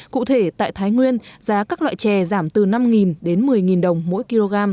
cụ thể tại thái nguyên giá các loại chè giảm từ năm đến một mươi đồng mỗi kg